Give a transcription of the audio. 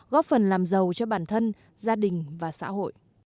góp phần làm giàu cho bản thân gia đình và xã hội